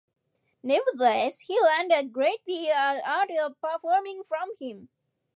Nevertheless, he learned a great deal of the art of performing from him.